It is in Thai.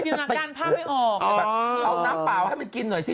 เอาน้ำเปล่าให้มันกินหน่อยซิ